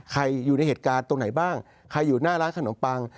อยู่ในเหตุการณ์ตรงไหนบ้างใครอยู่หน้าร้านขนมปัง